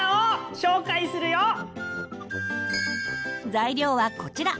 材料はこちら。